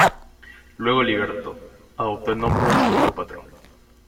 Luego liberto, adoptó el nombre de su antiguo patrón.